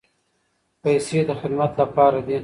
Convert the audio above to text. پیسې د خدمت لپاره دي.